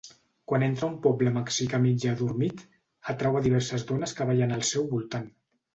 Quan entra a un poble mexicà mig adormit, atrau a diverses dones que ballen al seu voltant.